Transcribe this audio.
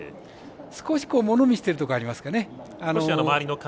少し、物見しているところがありますね。